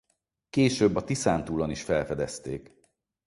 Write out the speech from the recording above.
Később a Tiszántúlon is felfedezték.